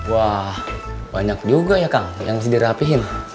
wah banyak juga ya kang yang dirapihin